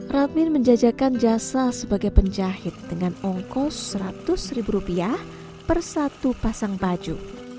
radmin menjajakan jasa sebagai penjahit dengan ongkos seratus ribu rupiah per satu pasang baju